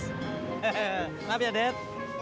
selamat ya dad